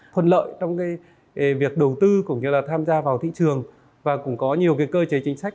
thuận lợi trong việc đầu tư cũng như là tham gia vào thị trường và cũng có nhiều cơ chế chính sách